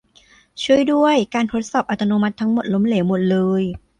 ช่วยด้วย การทดสอบอัตโนมัติทั้งหมดล้มเหลวหมดเลย